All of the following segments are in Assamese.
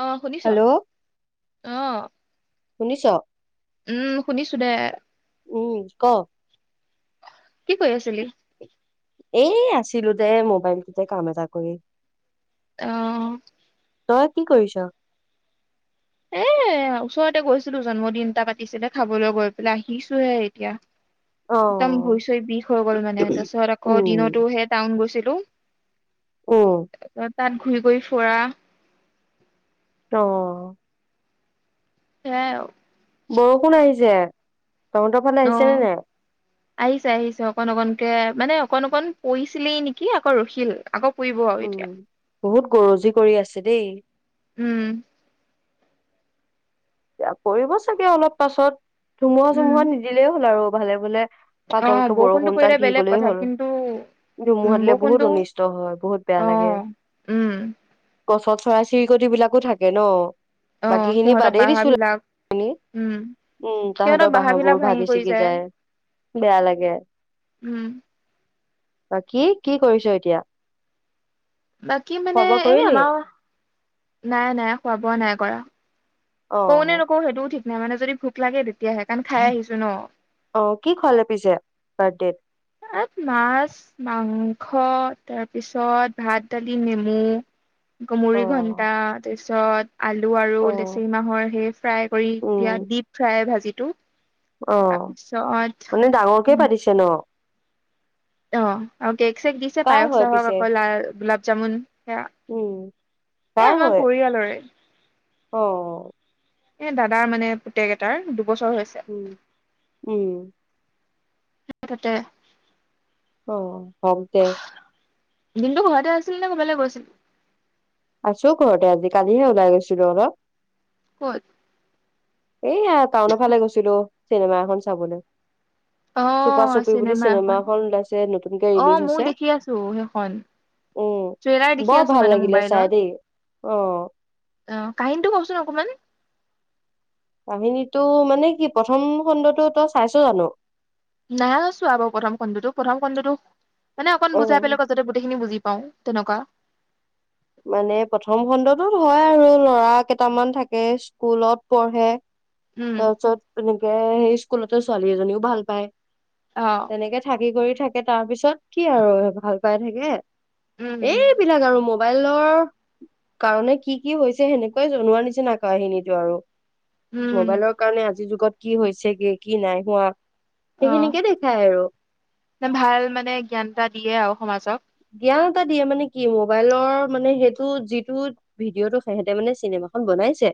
অ শুনিছ? হেল্ল' অ। শুনিছ? উম শুনিছো দে। উম ক? কি কয় আছিলি? এই আছিলো দে মোবাইলটোতে কাম এটা কৰি। অ। তই কি কৰিছ? এই এ ওচৰতে গৈছিলো জন্মদিন এটা পাতিছিলে খাবলৈ গৈ পেলাই আহিছোহে এতিয়া। অ একদম ভৰি - চৰি বিষ হৈ গ'ল মানে তাৰপিছত আকৌ উম দিনতো হে টাউন গৈছিলো। উম অ তাত ঘূৰি গৈ ফুৰা। ত। সেয়াও। বৰষুণ আহিছে, তহতৰ ফালে অ আহিছে নে নাই? [inaudible] আহিছে আহিছে, অকন অকনকে মানে অকন অকণ পৰিছিলেই নেকি আকৌ ৰখিল আকৌ পৰিব আৰু উম, এতিয়া বহুত গৰজি কৰি আছে দেই। উম। আ পৰিব চাগে অলপ পাছত ধুমুহা - উম চুমুহা নিদিলেই হ'ল আৰু ভালে ভালে অ পাতলকে বৰষুণটো পৰিলে বৰষুণজাক দি বেলেগ গ'লেই কথা হল। কিন্তু উম ধুমুহাটোলে বৰষুণটো বহুত অনিষ্ট হয়, বহুত বেয়া অ লাগে। উম গছত চৰাই - চিৰিকটিবিলাকো থাকে ন? অ সিহঁতৰ বাহবিলাক ই, উম তাহাঁতৰ বিলাক বাহবোৰ ভাঙি ভাগি - ছিগি কৰিছে যায়। বেয়া লাগে। উম বাকী কি কৰিছ এতিয়া? বাকী খোৱা মানে বোৱা এনে কৰিলি আমাৰ, নাই নাই খোৱা - বোৱা নাই কৰা। অ কওঁ নে নকও সেইটোও ঠিক নাই মানে যদি ভোক লাগে তেতিয়াহে কাৰণ খাই আহিছো ন। অ, কি খোৱালে পিছে বাৰ্থডেট? আত মাছ মাংস তাৰপিছত ভাত দালি নেমু অ কুমৰি ঘন্টা তাৰপিছত আলু আৰু অ লেচৰি মাহৰ সেই ফ্ৰাই কৰি উম দিয়া ডিপ ফ্ৰাই ভাজিটো অ তাৰপিছত মানে ডাঙৰকে পাতিছে ন অ আৰু কেক চেক দিছে কাৰ পায়স হয় চাহস পিছে আকৌ লা গোলাপ জামুন সেয়া উম এ কাৰ আমাৰ হয় পৰিয়ালৰে অ এ দাদাৰ মানে পুতেক এটাৰ দুবছৰ হৈছে উম উম [unintelligible] অ কমকে দিনতটো ঘৰতে আছিলি নে কৰবালে গৈছিল আছো ঘৰতে আজি কালিহে ওলাই গৈছিলো অলপ কত এইয়া টাউনৰ ফালে গৈছিলো চিনেমা এখন চাবলৈ অ চুপা চুপি বুলি চিনেমা এখন ওলাইছে নতুনকে অ ৰিলিজ হৈছে মইয়ো দেখি আছো সেইখন উম টেলাৰ দেখি বৰ আছো ভাল মানে লাগিলে চাই মোবাইলত দেই। অ অ কাহিনীটো কওচোন অকণমান কাহিনীটো মানে কি প্ৰথম খণ্ডটো তই চাইছো জানো নাই চোৱা বাৰু প্ৰথম খণ্ডটো প্ৰথম খণ্ডটো মানে অ অকণ বুজাই পেলাই ক যাতে গোটেইখিনি বুজি পাওঁ তেনেকুৱা মানে প্ৰথম খণ্ডটোত হয় আৰু ল'ৰা কেইটামান থাকে স্কুলত পঢ়ে উম তাৰপিছত তেনেকে সেই স্কুলতো ছোৱালী এজনীও ভাল পায় অ তেনেকে থাকি কৰি থাকে তাৰ পিছত কি আৰু ভাল পাই থাকে উম উম এইবিলাক আৰু ম মোবাইলৰ কাৰণে কি কি হৈছে সেনেকুৱাই জনোৱাৰ নিচিনা কাহিনীটো আৰু উম মোবাইলৰ কাৰণে আজিৰ যুগত কি হৈছে কি কি নাই হোৱা অ সেইখিনিকে দেখাই আৰু ভাল মানে জ্ঞান এটা দিয়ে আৰু সমাজক জ্ঞান এটা দিয়ে মানে কি মোবাইলৰ মানে সেইটো যিটো ভিডিঅ'টো সিহেঁতে মানে চিনেমাখন বনাইছে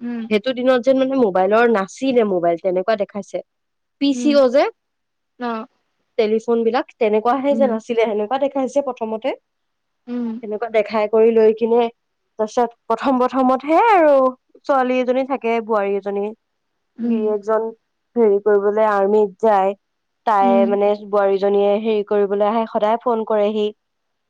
উম এইটো দিনত যেন মানে মোবাইলৰ নাচি নে মোবাইল তেনেকুৱা দেখাইছে পি উম চি অ' যে অ টেলিফোন বিলাক তেনেকুৱাহে উম যে নাছিলে সেনেকুৱা দেখাইছে প্ৰথমতে উম সেনেকুৱা দেখাই কৰি লৈ কিনে তাৰ পিছত প্ৰথম প্ৰথমতহে আৰু ছোৱালী এজনী থাকে বোৱাৰী এজনী উম গিৰিয়েকজন হেৰি কৰিবলৈ আৰ্মিত যায় তাই উম মানে বোৱাৰীজনীয়ে হেৰি কৰিবলৈ আহে সদায় ফোনন কৰেহি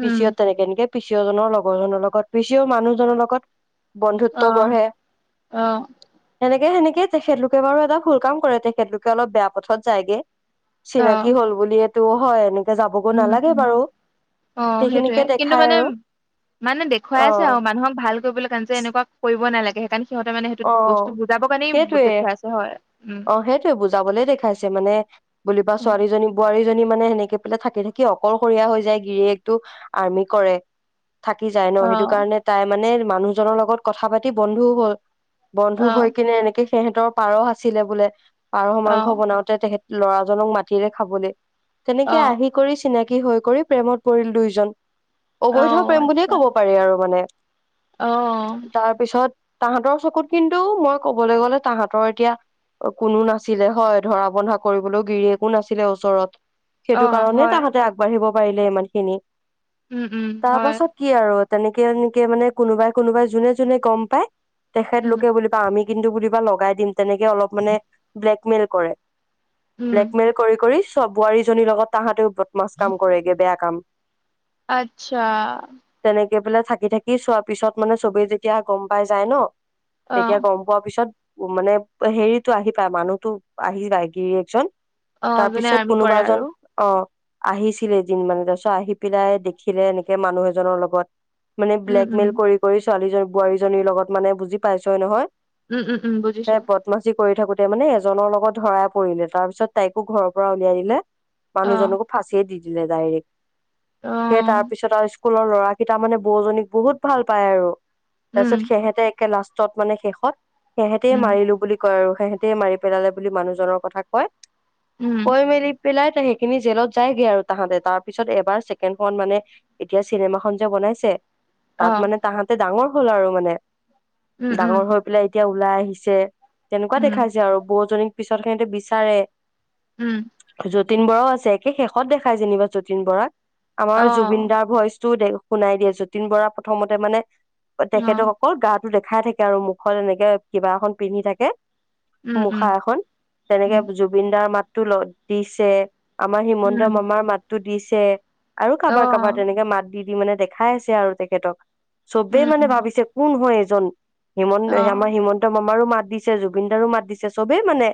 উম পিচিত তেনেকেনেকে পি চি অ জনৰ লগৰজনৰ লগত পি চি অ মানুহজনৰ লগত বন্ধুত্ব অ গঢ়ে অ সেনেকে সেনেকয় তেখেতলোকে বাৰু এটা ভুল কাম কৰে তেখেতলোকে অলপ বেয়া পথত যায়গে অ চিনাকি হ'ল বুলিয়েটো হয় এনেকে যাবগৈ উম নালাগে উম বাৰু অ সেইটোয়ে সেইখিনিকে কিন্তু দেখাই মানে আৰু মানে অ দেখুৱাই আছে আৰু মানুহক ভাল কৰিবলৈ কাৰণে যে এনেকুৱা কৰিব নালাগে সেইকাৰণে সিহঁতে মানে সেইটো অ, বস্তু বুজাবৰ কাৰণেই সেইটোৱে দেখুৱাই আছে হয় উম অ', সেইটোৱে বুজাবলে দেখাইছে মানে বুলিবা ছোৱীজনীক বোৱাৰীজনী মানে সেনেকে পেলাই থাকি থাকি অকলশৰীয়া হৈ যায়, গিৰিয়েকটো আৰ্মি কৰে। থাকি যায় অ ন' সেইটো কাৰণে তাই মানে মানুহজনৰ লগত কথা পাতি বন্ধু হ'ল। বন্ধু অ হৈ কিনে এনেকে সিহতৰ পাৰ আছিলে বোলে, পাৰ অ মাংস বনাও ল'ৰাজনক মাতিলে খাবলৈ অ তেনেকে আহি কৰি চিনাকি হৈ কৰি প্ৰেমত পৰিল দুইজন। অ অবৈধ প্ৰেম বুলিয়ে আচ্ছা ক'ব পাৰি আৰু মানে, অ তাৰপিছত তাহাঁতৰ চকুত কিন্তু মই ক'বলৈ গ'লে তাহাঁতৰ এতিয়া কোনো নাছিলে হয়, ধৰা বন্ধা কৰিবলৈও গিৰিয়েকো নাছিলে ওচৰত। অ সেইটো কাৰণে হয় তাহতে আগবাঢ়িব পাৰিলে ইমান খিনি, উম উম তাৰ হয় পাছত কি আৰু তেনেকে এনেকে মানে কোনোবাই কোনোবাই যোনে যোনে গ'ম পায়। উম তেখেতলোকে বা আমি কিন্তু বা লগাই দিম তেনেকে অলপ মানে ব্লেকমেইল কৰে। উম ব্লেকমেইল কৰি কৰি চ বোৱাৰীজনীৰ লগত তাহাঁতেও বদ মাছ কাম কৰেগে বেয়া কাম। আচ্ছা। তেনেকে পেলাই থাকি থাকি চোৱাৰ পিছত মানে চবেই যেতিয়া গ'ম পাই যায় ন' অ তেতিয়া গ'ম পোৱা পিছত মানে হেৰিটো আহি পায় মানুহতো আহি যায় গিৰিয়েকজন। অ যোনে তাৰপিছত আৰ্মি কোনোবা কৰে আৰু এজন অ', আহিছিলে এদিন মানে তাৰপিছত আহি পেলাই দেখিলে এনেকে মানুহ এজনৰ লগত। মানে উম উম ব্লেকমেইল কৰি কৰি ছোৱালীজন বোৱাৰীজনীৰ লগত মানে বুজি পাইছই নহয়? উম, উম, উম, বুজিছোঁ। মষ্টি কৰি থাকোতে মানে এজনৰ লগত ধৰাই পৰিলে তাৰপিছত তাইকো ঘৰৰ পৰা উলিয়াই দিলে। অ মানুহজনকো ফাঁচিয়ে দি দিলে ডাইৰেক্ট, অ সেয়ে তাৰপিছত আৰু স্কুলৰ ল'ৰাকেটা মানে বৌজনীক বহুত ভাল পায় আৰু উম তাৰপিছত সিঁহতে লা ষ্টত মানে শেষত সিহঁতে উম মাৰিলোঁ বুলি কয় আৰু সিহেঁতেয় মাৰি পেলালে বুলি মানুহজনৰ কথা কয়। উম কৈ মেলি পেলাই ত খিনি জেলত যায়গে আৰু তাহাঁতে তাৰ পিছত এবাৰ ছেকেণ্ড খন মানে এতিয়া চিনেমা খন যে বনাইছে অ তাত মানে তাহাঁতে ডাঙৰ হ'ল আৰু মানে। উম উম ডাঙৰ হৈ পেলাই এতিয়া ওলাই আহিছে, তেনেকুৱা উম দেখাইছে আৰু বৌজনীক পিছত সিঁহতে বিচাৰে। উম। যতীন বৰাও আছে একে শেষত দেখাই যেনিবা যতীন বৰাক। আমাৰ জুবিন অ', দাৰ ভইচটো শুনাই দিয়ে যতীন বৰা প্ৰথমতে মানে অ', তেখেতক অকল গা টো দেখাই থাকে আৰু মুখত এনেকে কিবা এখন পিন্ধি থাকে। উম, মুখা উম, এখন তেনেকে উম, জুবিন দাৰ মাতটো ল দিছে আমাৰ হিমন্ত উম, মামাৰ মাতটো দিছে আৰু কাবাৰ কাবাৰ অ', তেনেকে মাত দিদি মানে দেখাই আছে আৰু তেখেতক চবেই উম, মানে উম, ভাবিছে কোন হয় এইজন। হিমন্ত অ', আমাৰ হিমন্ত মামাৰো মাত দিছে জুবিন দাৰো মাত দিছে চবেই মানে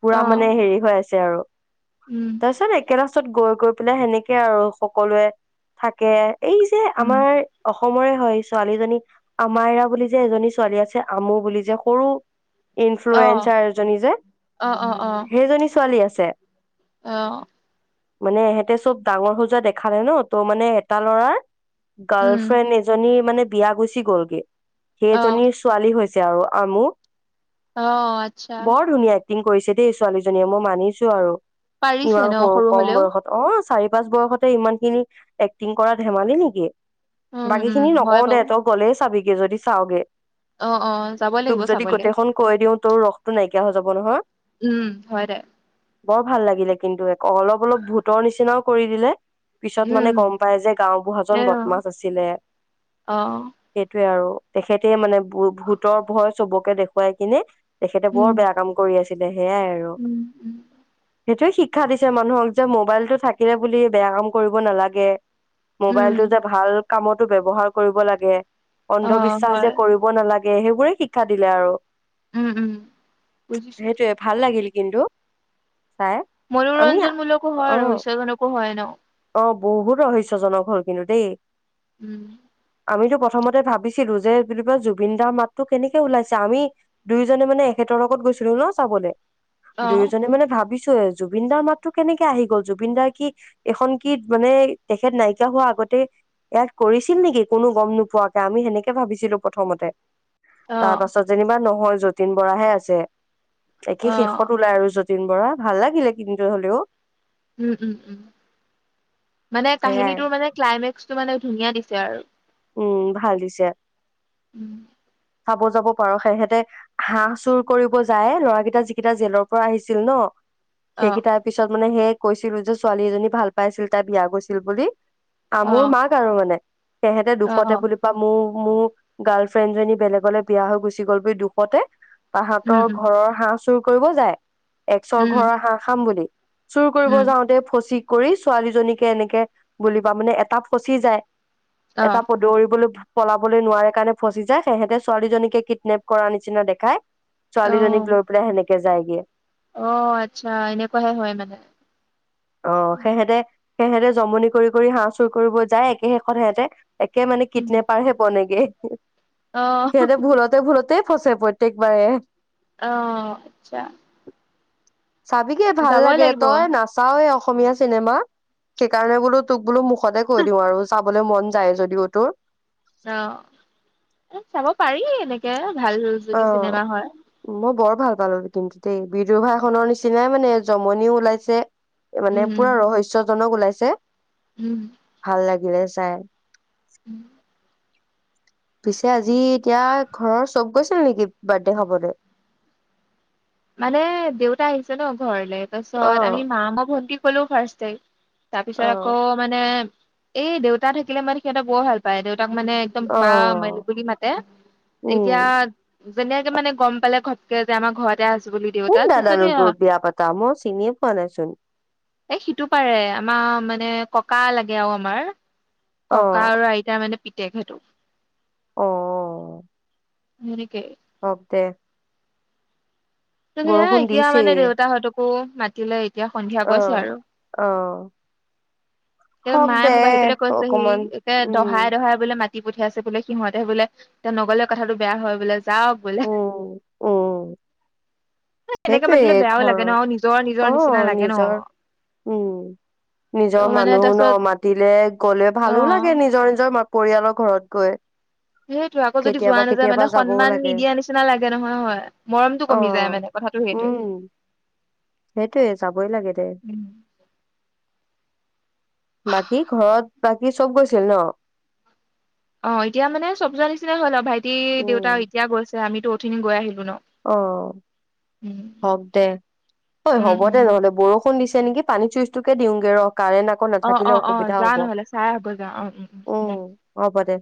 পুৰা মানে অ', হেৰি হৈ আছে আৰু উম, তাৰ পিছত [unintelligible] পাছত গৈ গৈ পেলাই সেনেকে আৰু সকলোৱে থাকে, এই যে উম, আমাৰ অসমৰে হয়, ছোৱালীজনী আমাইৰা বুলি যে এজনী ছোৱালী আছে আমু বুলি যে সৰু অ', ইনফ্লুৱেঞজাৰ এজনী যে অ', অ', অ', সেইজনী ছোৱালী আছে। অ'। মানে এহঁতে চব ডাঙৰ হৈ যোৱা দেখালে ন' ত' মানে এটা ল'ৰাৰ উম, গাৰ্লফ্ৰেণ্ড এজনী মানে বিয়া গুচি গ'লগে। সেইজনী অ', ছোৱালী হৈছে আৰু আমু অ', আচ্ছা বৰ ধুনীয়া। এক্টিং কৰিছে দেই ছোৱালীজনীয়ে মই মানিছোঁ আৰু, পাৰিছে ইমান ন সৰু কম হলেও বয়সত অ' চাৰি পাঁচ বয়সতে ইমানখিনি এক্টিং কৰা ধেমালি নেকি। উম, উম, বাকীখিনি হয় নকও দে, বাৰু তই গ'লে চাবিগে যদি চাওগে। অ', অ' যাব তোক লাগিব যদি চাবলে গোটেইখন কৈ দিও তোৰ ৰসটো নাইকিয়া হৈ যাব নহয়। উম, হয় দে। বৰ ভাল লাগিলে কিন্তু অলপ অলপ ভূতৰ নিচিনাও কৰি দিলে। পিছত মানে উম, গম পায় যে গাওবুঢ়াজন এ অ', বদমাছ আছিলে। অ', সেইটোৱে আৰু তেখেতে মানে ভূ-ভূতৰ ভয় চবকে দেখুৱাই কিনে তেখেতে বৰ উম, বেয়া কাম কৰি আছিলে সেয়াই আৰু। উম, উম, সেইটোৱে শিক্ষা দিছে মানুহক যে মোবাইলটো থাকিলে বুলি বেয়া কাম কৰিব নালাগে। উম, মোবাইলটো যে ভাল কামতো ব্যৱহাৰ কৰিব লাগে, অন্ধ বি অ', হয় কৰিব নালাগে সেইবোৰে শিক্ষা দিলে আৰু। উম, উম, বুজিছোঁ। সেইটোৱে ভাল লাগিল কিন্তু চাই। আমি মনোৰঞ্জনমূলকো অ হয় ৰহস্যজনকো হয় ন'। অ' বহুত ৰহস্যজনক হ'ল কিন্তু দেই। উম। আমিতো প্ৰথমতে ভাবিছিলোঁ যে বুলিকে জুবিন দাৰ মাতটো কেনেকে ওলাইছে আমি দুয়োজনে মানে এখেতৰ লগত গৈছিলোঁ ন' চাবলে। অ', দুয়োজনে মানে ভাবিছোঁ এ, জুবিনদাৰ মাতটো কেনেকে আহি গ'ল, জুবিন দাৰ কি এখন কি মানে তেখেত নাইকিয়া হোৱা আগতে ইয়াত কৰিছিল নেকি কোনো গম নোপোৱাকে, আমি সেনেকে ভাবিছিলোঁ প্ৰথমতে। অ', তাৰপাছত যেনিবা নহয় যতীন বৰাহে আছে, অ একে শেষত ওলাই আৰু যত তিন বৰা, ভাল লাগিলে কিন্তু হ'লেও। উম, উম, উম, মানে সেয়াই কাহিনীটোৰ মানে ক্লাইমেক্সটো মানে ধুনীয়া দিছে আৰু। উম, ভাল দিছে। উম। চাব যাব পাৰোঁ, সেহেঁতে হাঁহ চুৰ কৰিব যায়, ল'ৰাকেইটা যিকেইটা জেলৰ পৰা আহিছিল ন' অ সেইকেইটাৰ পিছত মানে সেই কৈছিলো যে ছোৱালী এজনী ভাল পাইছিল তাই বিয়া গৈছিল বুলি। আ, অ মোৰ মাক আৰু মানে সেহেতে অ অ দুখতে বুলি পা মোৰ মোৰ গাৰ্লফ্ৰেণ্ডজনী বেলেগলৈ বিয়া হৈ গুচি গ'ল বুলি দুখতে উম তাহঁতৰ উম ঘৰৰ হাঁহ চুৰ কৰিব যায়। একচৰ উম ঘৰৰ হাঁহ খাম বুলি, চুৰ কৰিব উম যাওঁতে ফচি কৰি ছোৱালীজনীকে এনেকে বুলি পা মানে এটা ফচি যায়। অ এটা প-দৌৰিবলৈ পলাবলৈ নোৱাৰে কাৰণে ফচি যায় সেহেতে ছোৱালীজনীকে কিডনেপ কৰাৰ নিচিনা দেখাই, অ ছোৱালীজনীক লৈ পেলাই সেনেকে যায়গে। অ' আচ্ছা এনেকুৱাহে হয় মানে। সেহেতে জমনি কৰি কৰি হাঁহ চুৰ কৰিব যায় একে শেষত সিহঁতে একে মানে উম কিটনেপাৰহে বনেগে। অ সিহঁতে ভুলতে ভুলতেই ফচে প্ৰত্যয়েকবাৰে। অ' আচ্ছা। চাবিগে ভাল যাবই লাগে, লাগিব তই নাচাৱে অসমীয়া চিনেমা সেইকাৰণে বোলো তোক বোলো মুখ সতে কৈ দিও আৰু চাবলৈ মন যায় যদিও তোৰ। অ, চাব পাৰি এনেকে ভাল যদি অ', চিনেমা হয় মই বৰ ভাল পালো কিন্তু দেই বিদুভাইখনৰ নিচিনাই মানে জমনিও ওলাইছে। মানে উম পুৰা ৰহস্যজনক ওলাইছে। উম, ভাল লাগিলে চাই। উম, পিছে আজি এতিয়া ঘৰৰ চব গৈছিল নেকি বাৰ্থডে খাবলৈ। মানে দেউতা আহিছে ন ঘৰলে অ তাৰপিছত আমি মা, মই, ভন্টি কলো ফ্ৰাষ্টে। তাৰ পিছত অ আকৌ মানে এই দেউতা থাকিলে মানে সিহঁতৰ বৰ ভাল পায় দেউতাক মানে একদম অ বা মলগুলি মাতে এতিয়া উম যেনেকে মানে গম পালে ঘপকে যে আমাৰ ঘৰত তে আছো বুলি কোন দাদানো তোৰ বিয়া পাতা মই চিনিয় পোৱা নাইচোন। এ সিটো পাৰে আমাৰ মানে ককা লাগে আৰু আমাৰ অ ককা আৰু আইত তাৰ মানে পিতেক সেইটো। অ', হেনেকে। অকে। সেয়াই বৰষুণ এতিয়া মানে দিছেই দেউতাহঁতকো মাতিলে এতিয়া সন্ধিয়া অ গৈছে আৰু। অ', এই হওক মায়ে দে মোক আহি পেলাই কৈছেহি অকমান একে উম দহাই - দহাই বোলে মাতি পঠিয়াই আছে বোলে। সিহঁতে বোলে তেওঁ নগলে কথাটো বেয়া হয় বোলে যাক উম-উম। এনেকে মাতিলে সেইটোৱে বেয়াও লাগে ন আৰু নিজৰ নিজৰ ঘৰৰ অ, নিচিনা লাগে ন নিজৰ উম, ত নিজৰ মানে মানুহ ন তাৰপিছত মাতিলে গলে অ ভালো লাগে নিজৰ- নিজৰ পৰিয়ালৰ ঘৰত গৈ। সেইটো আকৌ যদি যোৱা কেতিয়াবা নাযায় মানে কেতিয়াবা যাবও সন্মান লাগে নিদিয়া নিচিনা লাগে নহয় হয়। মৰমটো কমি যায় মানে কথাটো সেইটোৱে। সেইটোৱে যাবই লাগে দে। উম বাকী ঘৰত বাকী চব গৈছিল ন? অ, এতিয়া মানে চব যোৱা নিচিনা হল আৰু ভাইটি দেউতা এতিয়া গৈছে আমিতো অথিনি গৈ আহিলো ন। অ, উম হওক দে ঐ উম হ'ব উম দে নহ'লে বৰষুণ দিছে নেকি পানী চুইচটোকে দিওঁগে ৰ কাৰেণ্ট আকৌ অ নাথাকিলে অ অ অসুবিধা যা হব নহলে চাই আহগৈ যা অ দে উম, হ'ব দে।